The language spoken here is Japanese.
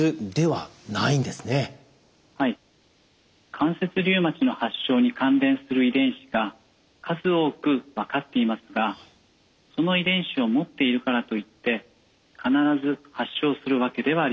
関節リウマチの発症に関連する遺伝子が数多く分かっていますがその遺伝子を持っているからといって必ず発症するわけではありません。